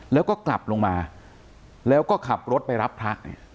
แล้วก็กลับลงมาแล้วก็ขับรถไปรับพระเนี่ย